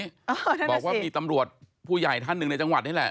บอกว่ามีตำรวจผู้ใหญ่ท่านหนึ่งในจังหวัดนี่แหละ